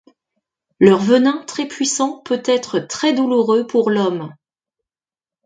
Leur venin, très puissant, peut être très douloureux pour l'homme.